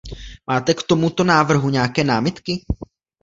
Máte k tomuto návrhu nějaké námitky?